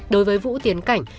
đối với vũ tiến cảnh